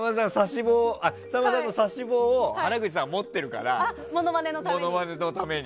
さんまさんの指し棒を原口さんが持ってるからものまねのために。